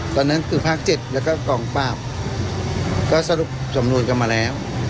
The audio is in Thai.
ตอนนั้นคือภาค๗แล้วก็กองปราบก็สรุปสำนวนกันมาแล้ว